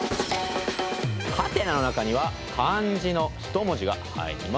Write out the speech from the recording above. はてなの中には漢字の一文字が入ります。